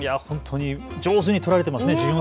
で、上手に撮られていますね。